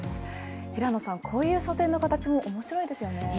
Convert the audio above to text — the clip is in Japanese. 平野さん、こういう書店の形も面白いですよね。